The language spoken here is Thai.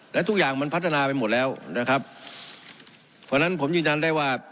และทุกอย่างมันพัฒนาไปหมดแล้วนะครับเพราะฉะนั้นผมยืนยันได้ว่า